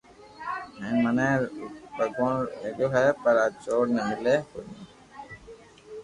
ھين مني ڀگوان ڪوئي مليو پر آ چور ني ملي